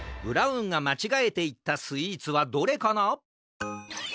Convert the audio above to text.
ブラウンがまちがえていったスイーツはどれかな？